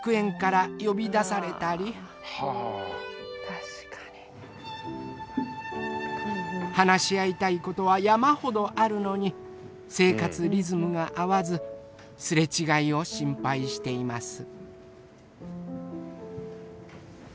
確かに。話し合いたいことは山ほどあるのに生活リズムが合わず擦れ違いを心配しています。